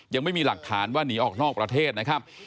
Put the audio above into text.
ยังไม่มีหลักฐานว่าหนีออกนอกประเทศนะครับ